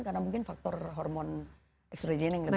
karena mungkin faktor hormon extra regening lebih banyak